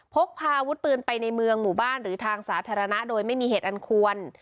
พกพาอาวุธปืนไปในเมืองหมู่บ้านหรือทางสาธารณะโดยไม่มีเหตุอันควร